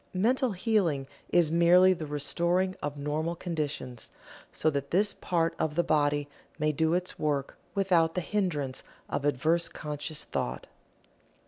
Mental Healing is merely the restoring of normal conditions, so that this part of the body may do its work without the hindrance of adverse conscious thought.